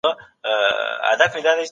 د بدن دفاعي سیستم ځواکمن کېږي.